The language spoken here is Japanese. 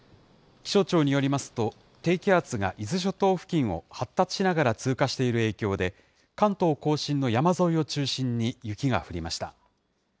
気象庁によりますと、低気圧が伊豆諸島付近を発達しながら通過している影響で、関東甲信の山沿いを中心に雪が降りました。